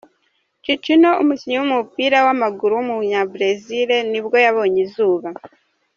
Cicinho, umukinnyi w’umupira w’amaguru w’umunyabrezil nibwo yabonye izuba.